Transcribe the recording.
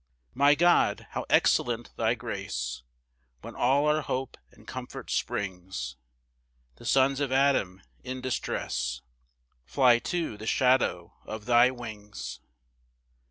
4 My God! how excellent thy grace, Whence all our hope and comfort springs! The sons of Adam in distress Fly to the shadow of thy wings.